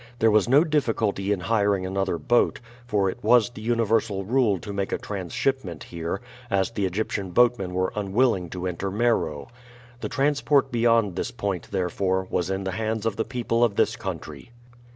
There was no difficulty in hiring another boat, for it was the universal rule to make a transshipment here, as the Egyptian boatmen were unwilling to enter Meroe. The transport beyond this point, therefore, was in the hands of the people of this country.